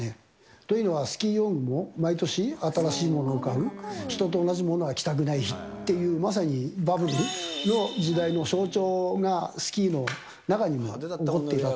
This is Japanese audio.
というのは、スキー用具も毎年新しいものを買う、人と同じものは着たくないっていう、まさにバブルの時代の象徴が、スキーの中にも残っていたと。